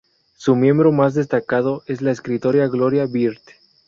Su miembro más destacado es la escritora Gloria Bird.